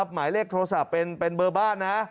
หมายเลขโทรศัพท์เป็นเบอร์บ้านนะ